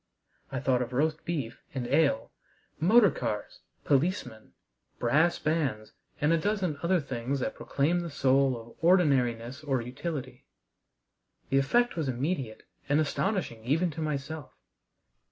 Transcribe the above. I thought of roast beef and ale, motor cars, policemen, brass bands, and a dozen other things that proclaimed the soul of ordinariness or utility. The effect was immediate and astonishing even to myself.